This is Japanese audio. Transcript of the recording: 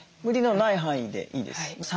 無理のない範囲でいいです。